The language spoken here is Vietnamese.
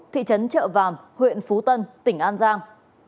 thị trấn trợ vàm huyện phú tân tỉnh an giang